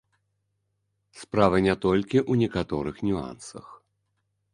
Справа не толькі ў некаторых нюансах.